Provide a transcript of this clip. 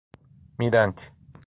Mirante